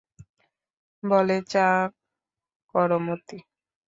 বলে, চা করো মতি।